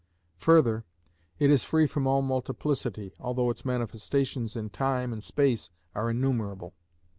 Further, it is free from all multiplicity, although its manifestations in time and space are innumerable.